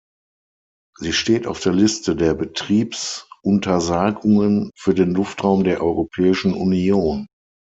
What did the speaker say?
Sie steht auf der Liste der Betriebsuntersagungen für den Luftraum der Europäischen Union.